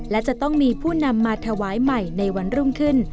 และจะต้องมีผู้นำมาถวายใหม่ในวันรุ่งขึ้น